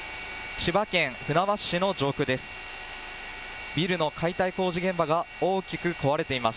千葉県船橋市の上空です。